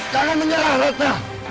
jangan menyerah ratna